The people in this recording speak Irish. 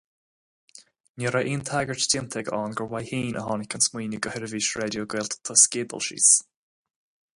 Ní raibh aon tagairt déanta aige ann gur uaidh féin a tháinig an smaoineamh do sheirbhís raidió Gaeltachta sa gcéad dul síos.